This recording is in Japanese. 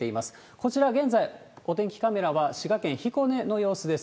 こちら、現在、お天気カメラは滋賀県彦根の様子です。